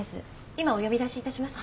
今お呼び出しいたします。